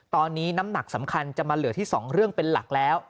ตอนนี้น้ำหนักสำคัญจะมาเหลือที่๒เรื่องเป็นหลักแล้ว